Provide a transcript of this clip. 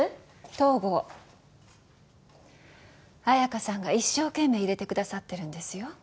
東郷綾華さんが一生懸命いれてくださってるんですよ